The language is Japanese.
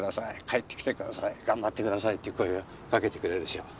「帰ってきてください」「頑張ってください」っていう声をかけてくれるでしょう。